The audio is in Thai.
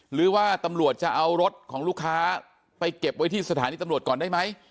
หรือว่าตำรวจจะเอารถของลูกค้าไปเก็บไว้ที่สถานีตำรวจก่อนได้ไหม